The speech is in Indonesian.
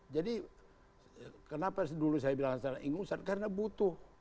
jadi kenapa dulu saya bilang secara ingus karena butuh